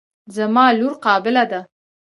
زما لور قابله ده.